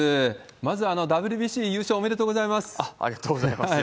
まず、ＷＢＣ優勝おめでとうござありがとうございます。